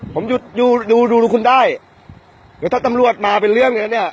ผมอยู่อยู่ดูดูคุณได้แต่ถ้าตำรวจมาเป็นเรื่องอย่างนี้